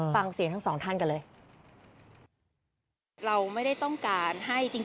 ฟังเสียงทั้งสองท่านกันเลย